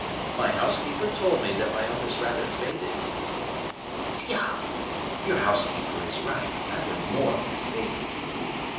My housekeeper told me that my own is rather faded." "Diable! your housekeeper is right; rather more than faded."